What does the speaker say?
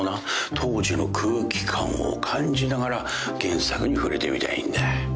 当時の空気感を感じながら原作に触れてみたいんだ。